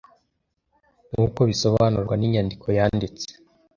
Nk’uko bisobanurwa n’inyandiko yanditse